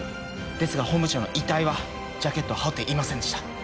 ですが本部長の遺体はジャケットを羽織っていませんでした。